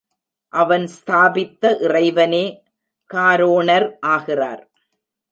அவன் ஸ்தாபித்த இறைவனே காரோணர் ஆகிறார்.